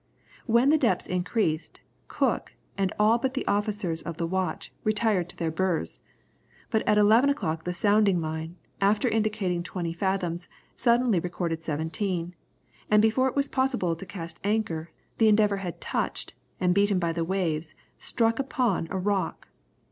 When the depth increased, Cook and all but the officers of the watch retired to their berths, but at eleven o'clock the sounding line, after indicating twenty fathoms, suddenly recorded seventeen, and before it was possible to cast anchor, the Endeavour had touched, and beaten by the waves, struck upon a rock.